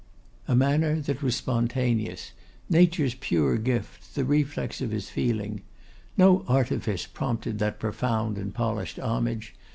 A manner that was spontaneous; nature's pure gift, the reflex of his feeling. No artifice prompted that profound and polished homage.